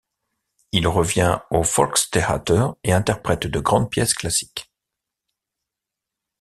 Il revient au Volkstheater et interprète de grandes pièces classiques.